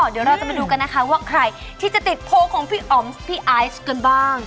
เดี๋ยวเราจะมาดูกันนะคะว่าใครที่จะติดโพลของพี่อ๋อมพี่ไอซ์กันบ้าง